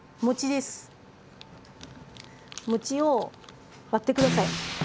餅を割って下さい。